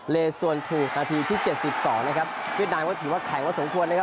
เลสวนถูกนาทีที่เจ็ดสิบสองนะครับเวียดนามก็ถือว่าแข็งพอสมควรนะครับ